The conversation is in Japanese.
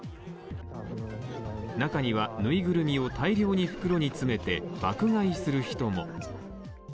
中には、ぬいぐるみを大量に袋に詰めて爆買いする人も。